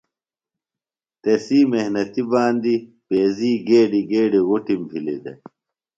تسی محنتیۡ باندی پیزی گیڈیۡ گیڈیۡ غُٹِم بھلیۡ دےۡ۔